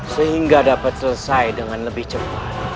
sehingga dapat selesai dengan lebih cepat